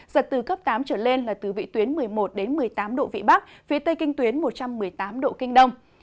giật từ cấp tám trở lên là từ vị tuyến một mươi một một mươi tám độ vị bắc phía tây kinh tuyến một trăm một mươi tám độ kinh đông